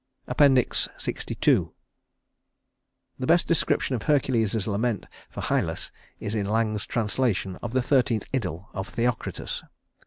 LXII The best description of Hercules's lament for Hylas is in Lang's translation of the thirteenth Idyl of Theocritus.